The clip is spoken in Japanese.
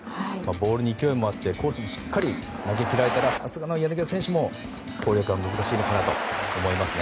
ボールに勢いもあってコースにしっかり投げ切られたらさすがの柳田選手も攻略は難しいのかなと思います。